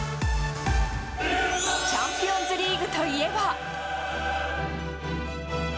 チャンピオンズリーグといえば。